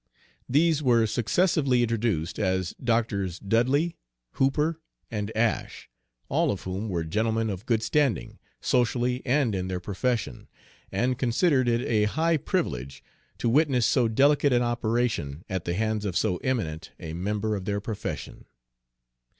These were successively introduced as Drs. Dudley, Hooper, and Ashe, all of whom were gentlemen of good standing, socially and in their profession, and considered it a high privilege to witness so delicate an operation at the hands of so eminent a member of their profession.